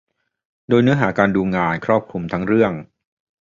โดยเนื้อหาการดูงานครอบคลุมทั้งเรื่อง